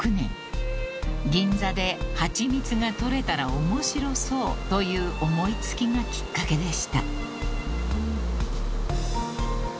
［銀座で蜂蜜が採れたら面白そうという思い付きがきっかけでした］